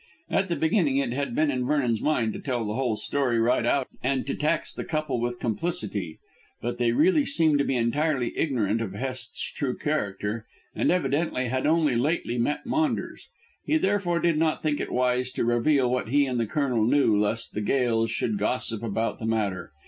At the beginning it had been in Vernon's mind to tell the whole story right out and to tax the couple with complicity. But they really seemed to be entirely ignorant of Hest's true character, and evidently had only lately met Maunders. He therefore did not think it wise to reveal what he and the Colonel knew lest the Gails should gossip about the matter.